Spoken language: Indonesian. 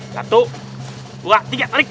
satu dua tiga tarik